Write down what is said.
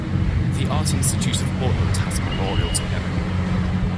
The Art Institute of Portland has a memorial to him.